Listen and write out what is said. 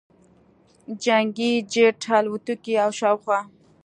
جنګي جټ الوتکو او شاوخوا